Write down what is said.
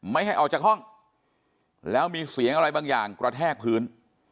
ไม่ให้ออกจากห้องแล้วมีเสียงอะไรบางอย่างกระแทกพื้น